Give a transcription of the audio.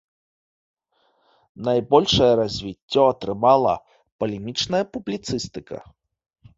Найбольшае развіццё атрымала палемічная публіцыстыка.